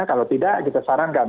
kalau tidak kita sarankan